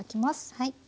はい。